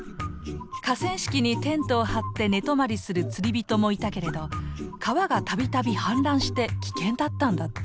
河川敷にテントを張って寝泊りする釣り人もいたけれど川がたびたび氾濫して危険だったんだって。